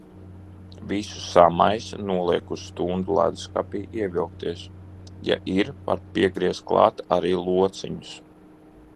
Visu samaisa, noliek uz stundu ledusskapī ievilkties. Ja ir, var piegriezt klāt arī lociņus.